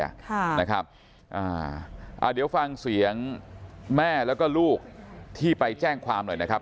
ค่ะนะครับอ่าอ่าเดี๋ยวฟังเสียงแม่แล้วก็ลูกที่ไปแจ้งความหน่อยนะครับ